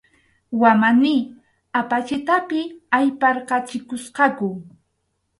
Wamani apachitapi ayparqachikusqaku.